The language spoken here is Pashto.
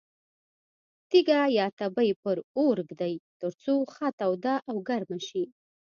تیږه یا تبۍ پر اور ږدي ترڅو ښه توده او ګرمه شي.